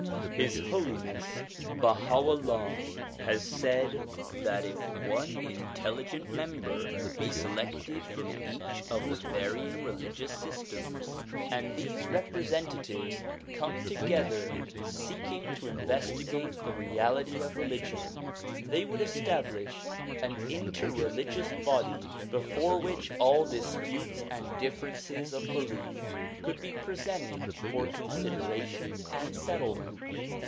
His Holiness Baha 'Ullah has said that if one intelligent member be selected from each of th*^ varying religious systems, and these representatives come together DISCOURSES DELIVERED IN NEW YORK 229 seeking to investigate the reality of religion, they would establish an interreligious body before which all disputes and differences of belief could be presented for consideration and settlement.